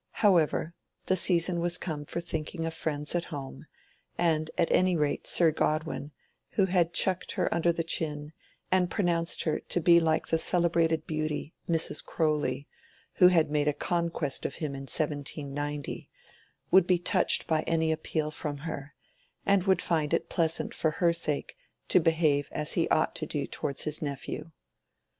However, the season was come for thinking of friends at home, and at any rate Sir Godwin, who had chucked her under the chin, and pronounced her to be like the celebrated beauty, Mrs. Croly, who had made a conquest of him in 1790, would be touched by any appeal from her, and would find it pleasant for her sake to behave as he ought to do towards his nephew.